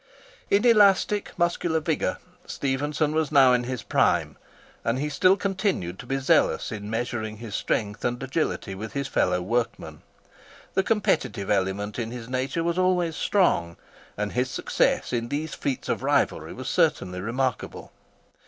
In elastic muscular vigour, Stephenson was now in his prime, and he still continued to be zealous in measuring his strength and agility with his fellow workmen. The competitive element in his nature was always strong; and his success in these feats of rivalry was certainly remarkable.